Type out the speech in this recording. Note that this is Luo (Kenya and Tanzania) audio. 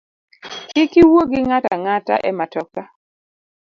Kik iwuo gi ng’ato ang’ata e matoka